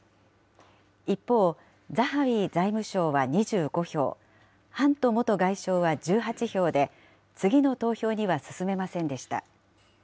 一方、ザハウィ財務相は２５票、ハント元外相は１８票で、次の投票には進めませんでした。